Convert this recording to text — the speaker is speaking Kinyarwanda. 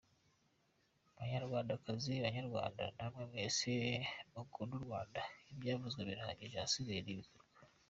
Banyarwandakazi, Banyarwanda namwe mwese mukunda u Rwanda ibyavuzwe birahagije ahasigaye n’ah’ibikorwa.